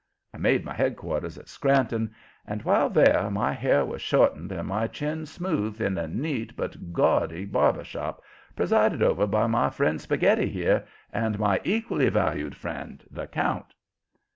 I made my headquarters at Scranton, and, while there, my hair was shortened and my chin smoothed in a neat but gaudy barber shop, presided over by my friend Spaghetti here, and my equally valued friend the count."